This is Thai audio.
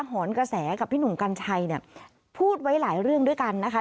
หอนกระแสกับพี่หนุ่มกัญชัยเนี่ยพูดไว้หลายเรื่องด้วยกันนะคะ